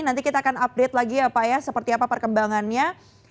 nanti kita akan update lagi ya pak ya seperti apa perkembangannya